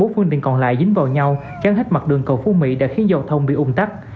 bốn phương tiện còn lại dính vào nhau chắn hết mặt đường cầu phú mỹ đã khiến giao thông bị ung tắt